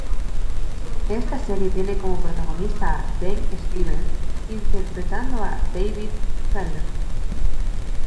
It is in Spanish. Esta serie tiene como protagonista a Dan Stevens interpretando a David Haller.